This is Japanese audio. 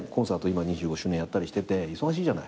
今２５周年やったりしてて忙しいじゃない。